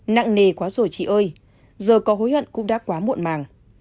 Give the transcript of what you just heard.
nặng nề quá rồi chị ơi giờ có hối hận cũng đã quá muộn màng